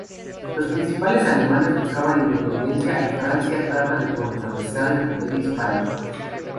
Los príncipes alemanes buscaban independencia y Francia tratar de contrarrestar el poder hispánico.